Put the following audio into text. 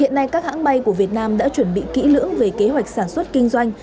hiện nay các hãng bay của việt nam đã chuẩn bị kỹ lưỡng về kế hoạch sản xuất kinh doanh